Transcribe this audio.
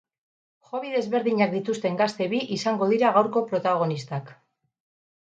Hobby desberdinak dituzten gazte bi izango dira gaurko protagonistak.